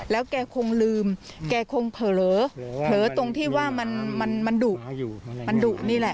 แล้วแกคงลืมแกคงเผลอตรงที่ว่ามันดุมันดุนี่แหละ